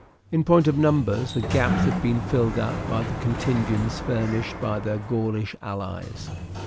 In point of numbers the gaps had been filled up by the contingents furnished by their Gaulish allies.